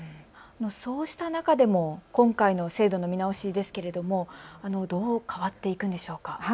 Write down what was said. そうした中での今回の制度の見直しですけれどもどう変わっていくんでしょうか。